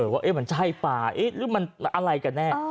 ว่ามันใช่ป่าหรือมันอะไรกันแน่